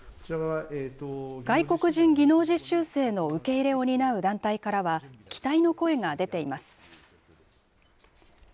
外国人技能実習生の受け入れを担う団体からは、期待の声が出ています。